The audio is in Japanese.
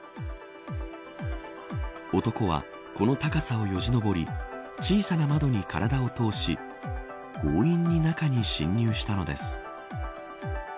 男は、この高さをよじ登り小さな窓に体を通し強引に中に侵入したのです。